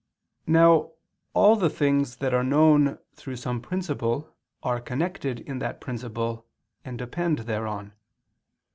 Now all the things that are known through some principle are connected in that principle and depend thereon.